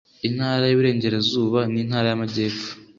intara y iburengerazuba n intara y amajyepfo